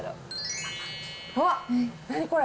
わっ、何これ？